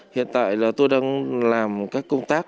hiện tại là tôi đang làm các công tác